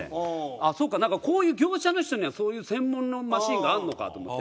ああそうかなんかこういう業者の人にはそういう専門のマシンがあるのかと思って。